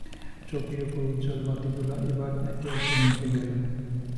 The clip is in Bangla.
চৌকির উপর উজ্জ্বল বাতিগুলো এবার একে একে নিভে গেল।